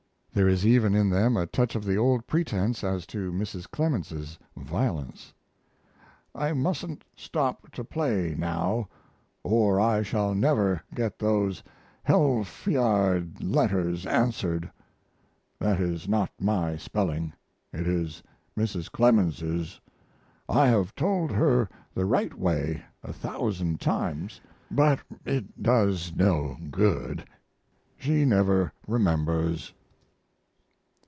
There is even in them a touch of the old pretense as to Mrs. Clemens's violence. I mustn't stop to play now or I shall never get those helfiard letters answered. (That is not my spelling. It is Mrs. Clemens's, I have told her the right way a thousand times, but it does no good, she never remembers.)